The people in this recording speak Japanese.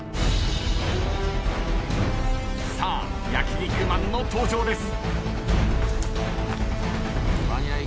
さあ焼肉マンの登場です。